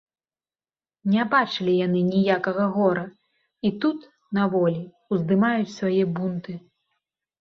Не бачылі яны ніякага гора і тут, на волі, уздымаюць свае бунты.